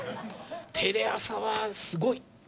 テレ朝はすごい！